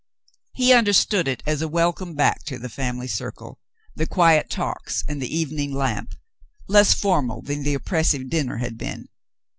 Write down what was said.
He understood it as a welcome back to the family circle, the quiet talks and the evening lamp, less formal than the oppressive dinner had been.